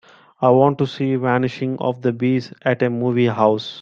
I want to see Vanishing of the Bees at a movie house.